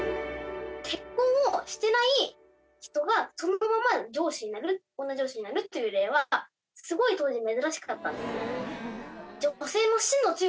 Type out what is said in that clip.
結婚をしてない人がそのまま城主になる女城主になるという例はすごい当時珍しかったんですね。